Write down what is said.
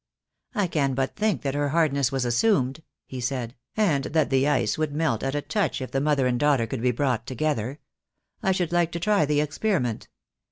"I can but think that her hardness was assumed," he said, "and that the ice would melt at a touch if the mother and daughter could be brought together. I should like to try the experiment."